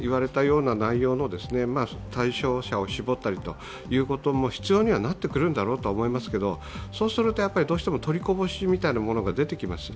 う内容の対象者を絞ったりも必要にはなってくるんだろうとは思いますけどそうすると、どうしても取りこぼしみたいなものが出てきます。